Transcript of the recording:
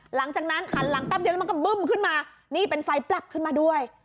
หลังจากนั้นหันหลังแป๊บเดียวแล้วมันก็บึ้มขึ้นมานี่เป็นไฟปรับขึ้นมาด้วย